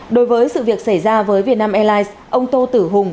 đối với sự việc xảy ra với vietnam airlines ông tô tử hùng